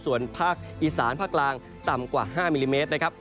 ส่วนภาคอีสานภาคกลางต่ำกว่า๕มิลลิเมตรนะครับ